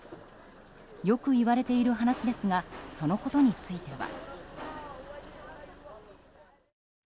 よく言われている話ですがそのことについては。